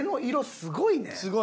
すごいね。